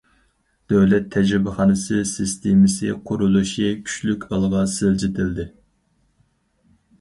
دۆلەت تەجرىبىخانىسى سىستېمىسى قۇرۇلۇشى كۈچلۈك ئالغا سىلجىتىلدى.